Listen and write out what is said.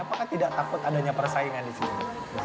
apakah tidak takut adanya persaingan di situ